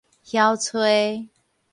僥揣